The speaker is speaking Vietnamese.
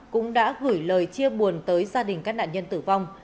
cũng đã gửi lời chia buồn tới gia đình các nạn nhân tử vong